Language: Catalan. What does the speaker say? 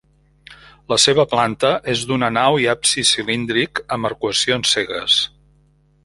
La seva planta és d'una nau i absis cilíndric amb arcuacions cegues.